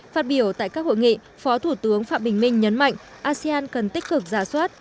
phát biểu tại các hội nghị phó thủ tướng phạm bình minh nhấn mạnh asean cần tích cực giả soát